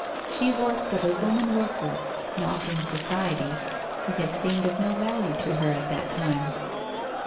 She was but a woman worker, not in society, it had seemed of no value to her at that time.